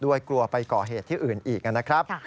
ด้วยกลัวไปก่อเหตุที่อื่นอีก